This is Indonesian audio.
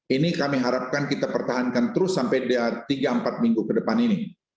ini kami harapkan kita pertahankan terus sampai tiga empat minggu ke depan ini